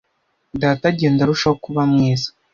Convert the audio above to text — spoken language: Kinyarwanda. Data agenda arushaho kuba mwiza.